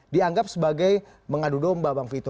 dianggap sebagai mengadu domba bang vito